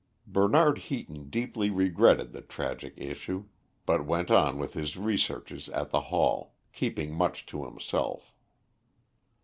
Bernard Heaton deeply regretted the tragic issue, but went on with his researches at the Hall, keeping much to himself.